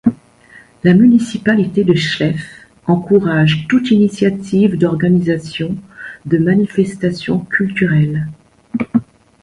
La municipalité de Chlef encourage toute initiative d'organisation de manifestations culturelles.